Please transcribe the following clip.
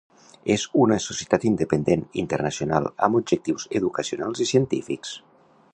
És una societat independent, internacional, amb objectius educacionals i científics.